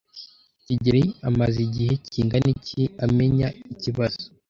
kigeli amaze igihe kingana iki amenya ikibazo?